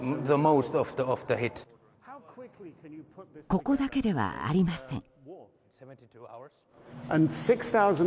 ここだけではありません。